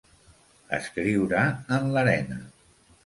Escriure en l'arena.